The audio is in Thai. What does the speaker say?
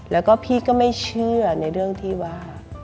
แล้วก็พี่ก็ไม่เชื่อในเรื่องที่ว่า